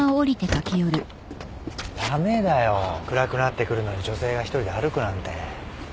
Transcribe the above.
駄目だよ暗くなってくるのに女性が一人で歩くなんて。